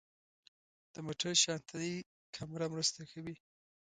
د موټر شاتنۍ کامره مرسته کوي.